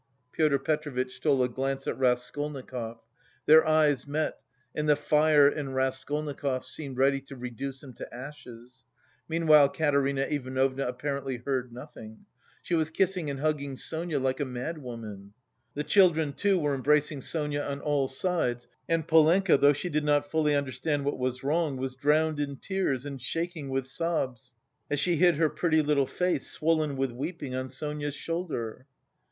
Pyotr Petrovitch stole a glance at Raskolnikov. Their eyes met, and the fire in Raskolnikov's seemed ready to reduce him to ashes. Meanwhile Katerina Ivanovna apparently heard nothing. She was kissing and hugging Sonia like a madwoman. The children, too, were embracing Sonia on all sides, and Polenka though she did not fully understand what was wrong was drowned in tears and shaking with sobs, as she hid her pretty little face, swollen with weeping, on Sonia's shoulder.